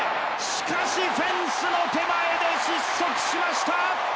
しかしフェンスの手前で失速しました。